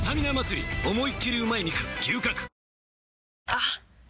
あっ！